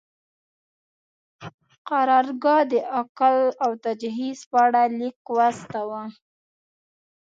قرارګاه د اکل او تجهیز په اړه لیک واستاوه.